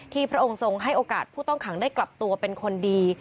พระองค์ทรงให้โอกาสผู้ต้องขังได้กลับตัวเป็นคนดี